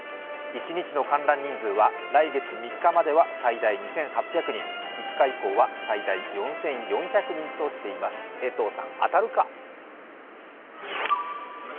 一日の観覧人数は来月３日までは最大２８００人、５日以降は最大４４００人としています江藤さん、当たるか？